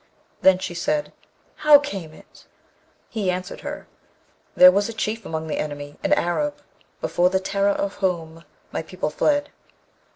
Then she said, 'How came it?' He answered, 'There was a Chief among the enemy, an Arab, before the terror of whom my people fled.'